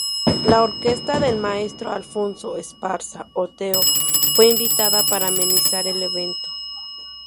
La orquesta del maestro Alfonso Esparza Oteo fue invitada para amenizar el evento.